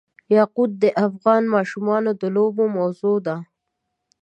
یاقوت د افغان ماشومانو د لوبو موضوع ده.